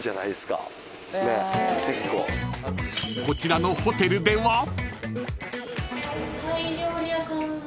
［こちらのホテルでは］